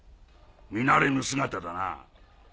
見慣れぬ姿だな。